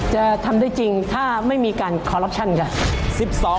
จะทำได้จริงถ้าไม่มีการคอรัปชั่นค่ะ